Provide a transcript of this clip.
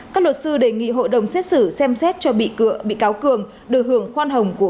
các luật sư đề nghị hội đồng xét xử xem xét cho bị cáo cường đưa hưởng khoan hồng của